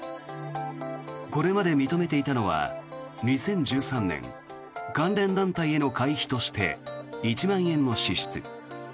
これまで認めていたのは２０１３年関連団体への会費として１万円の支出